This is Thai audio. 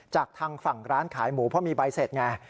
จากทางฝั่งร้านขายหมูเพราะมีใบเสร็จไง